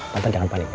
tante jangan panik ya